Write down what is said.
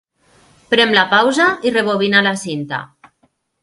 Prem la pausa i rebobina la cinta.